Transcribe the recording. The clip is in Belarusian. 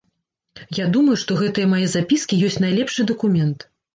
Я думаю, што гэтыя мае запіскі ёсць найлепшы дакумент.